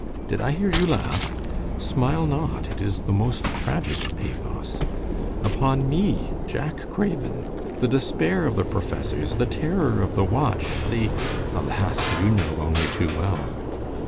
Did I hear you laugh? Smile not, it is the most tragic of pathos. Upon me, Jack Craven, the despair of the professors, the terror of the watch, the alas! you know only too well.